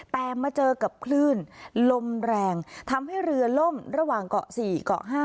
แต่มาเจอกับคลื่นลมแรงทำให้เรือล่มระหว่างเกาะ๔เกาะ๕